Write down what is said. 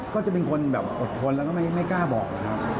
ก็จะเป็นคนแบบอดทนแล้วก็ไม่กล้าบอกครับ